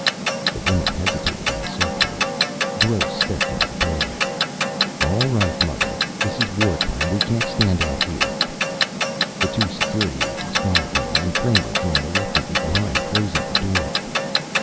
The woman hesitated uncertainly. Gross stepped into the doorway. "All right, mother. This is war time. We can't stand out here." The two Security agents followed him, and Kramer came reluctantly behind, closing the door.